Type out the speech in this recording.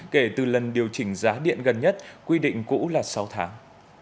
kể từ lần điều chỉnh giá điện gần nhất quy định cũ là sáu tháng